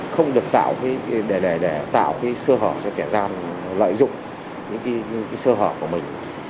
không được tạo cái sơ hở cho kẻ giam lợi dụng những cái sơ hở của mình